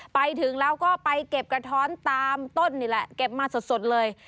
ไปถึงแล้วก็ไปเก็บกระท้อนตามต้นนี่แหละเก็บมาสดเลย